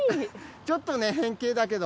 ちょっとね変形だけど。